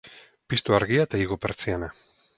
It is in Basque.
Piztu argia eta igo pertsiana